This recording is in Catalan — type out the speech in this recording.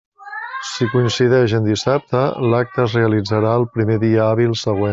Si coincideix en dissabte, l'acte es realitzarà el primer dia hàbil següent.